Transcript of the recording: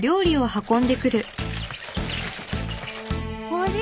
あれ？